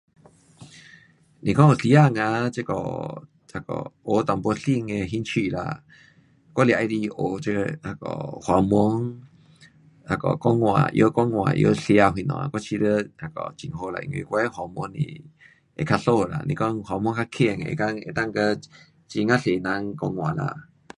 是讲有时间啊，这个那个学一点新的兴趣啦，我是喜欢学这那个华语，那个讲话，会晓讲话，会晓写什么，我觉得那个很好啦，因为我的华文是会较输啦，若讲华文较棒，能够，能够跟很呀多人讲话啦。